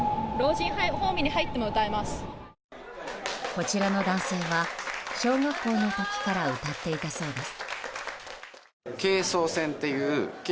こちらの男性は小学校の時から歌っていたそうです。